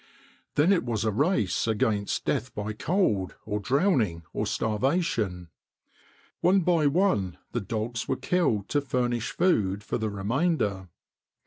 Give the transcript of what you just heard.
Then it was a race against death by cold, or drowning, or starvation. One by one the dogs were killed to furnish food for the remainder.